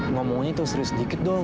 ngomongnya tuh serius sedikit dong